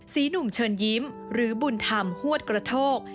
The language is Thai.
หนุ่มเชิญยิ้มหรือบุญธรรมฮวดกระโทก